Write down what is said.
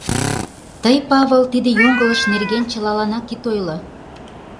Тый, Павыл, тиде йоҥылыш нерген чылаланак ит ойло...